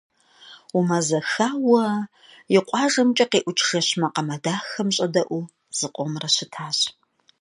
Умэзэхауэ, и къуажэмкӀэ къиӀукӀ жэщ макъамэ дахэм щӀэдэӀуу, зыкъомрэ щытащ.